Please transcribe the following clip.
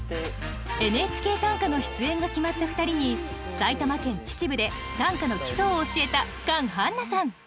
「ＮＨＫ短歌」の出演が決まった２人に埼玉県秩父で短歌の基礎を教えたカン・ハンナさん